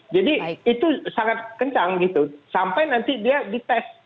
jadi itu sangat kencang gitu sampai nanti dia dites